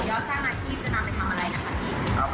สร้างอาชีพจะนำไปทำอะไรนะคะพี่